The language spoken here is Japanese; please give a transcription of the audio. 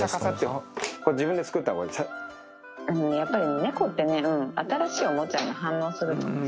やっぱり猫ってね、新しいおもちゃに反応するの。